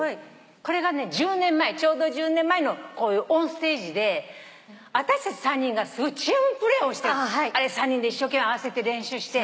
これがね１０年前ちょうど１０年前のこういうオンステージであたしたち３人がすごいチームプレーをして３人で一生懸命合わせて練習して。